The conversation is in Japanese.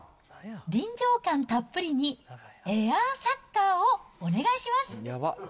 臨場感たっぷりに、エアサッカーをお願いします。